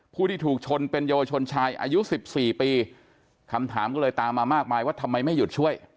ผู้ที่ถูกชนเป็นเยาวชนชายอายุสิบสี่ปีคำถามก็เลยตามมามากมายว่าทำไมไม่หยุดช่วย